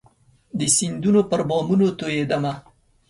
د سیندونو پر بامونو توئيدمه